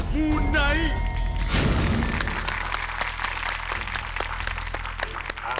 มูไนท์